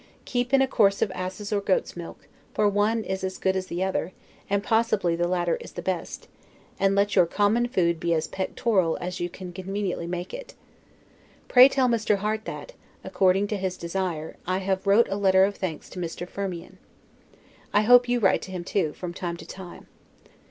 Keep in a course of asses' or goats' milk, for one is as good as the other, and possibly the latter is the best; and let your common food be as pectoral as you can conveniently make it. Pray tell Mr. Harte that, according to his desire, I have wrote a letter of thanks to Mr. Firmian. I hope you write to him too, from time to time.